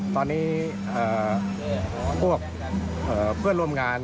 ตอนนี้พวกเพื่อนร่วมงาน